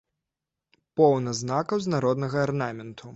Поўна знакаў з народнага арнаменту.